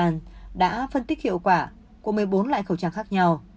n chín mươi năm đã phân tích hiệu quả của một mươi bốn loại khẩu trang khác nhau